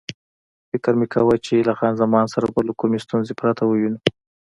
فکر مې کاوه چې له خان زمان سره به له کومې ستونزې پرته ووینو.